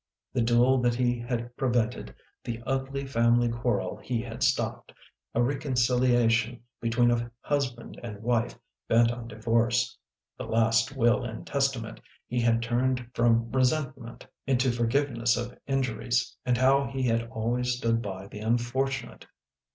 The duel that he had prevented, the ugly family quarrel he had stopped, a reconciliation between a husband and wife bent on divorce, the last will and testament he had turned from resentment into forgive ness of injuries, and how he had always stood by the unfortunate.